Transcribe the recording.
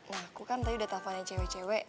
nah aku kan tadi udah teleponnya cewek cewek